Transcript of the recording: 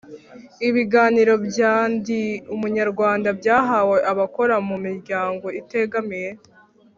Ibiganiro bya ndi umunyarwanda byahawe abakora mu miryango itegamiye